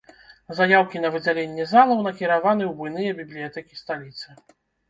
Заяўкі на выдзяленне залаў накіраваны ў буйныя бібліятэкі сталіцы.